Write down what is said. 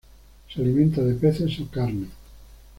Se alimenta de peces o carne.